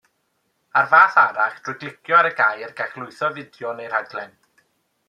Ar fath arall, drwy glicio ar y gair, gall lwytho fideo neu raglen.